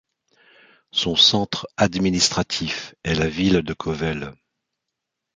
Son centre administratif est la ville de Kovel.